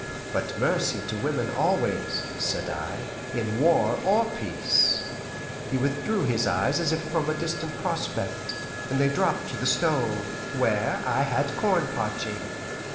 "But mercy to women always," said I, "in war or peace." He withdrew his eyes as if from a distant prospect, and they dropped to the stove, where I had corn parching.